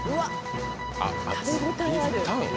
食べ応えある。